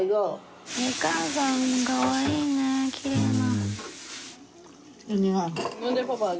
お母さんかわいいねきれいな。